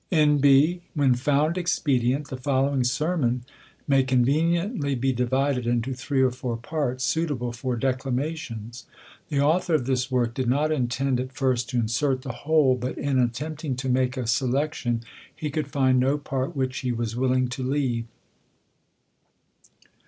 [N. B. lilien found expedient , the following Sermon maj/ conienientlybe divided into three orfour parts ^suitable for declamations* The author of this work did not intend at first to insert the whole ^ but, in attempting to make a selec tion, he could find no part which he zoas willing to leave.